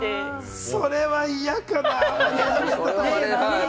あ、それは嫌かな。